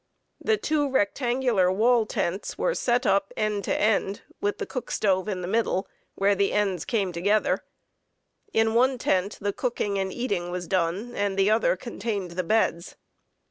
The two rectangular wall tents were set up end to end, with the cook stove in the middle, where the ends came together. In one tent the cooking and eating was done, and the other contained the beds.